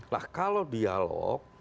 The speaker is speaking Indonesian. lah kalau dialog